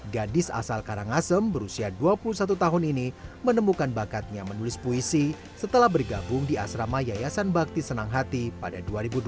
gadis asal karangasem berusia dua puluh satu tahun ini menemukan bakatnya menulis puisi setelah bergabung di asrama yayasan bakti senang hati pada dua ribu dua belas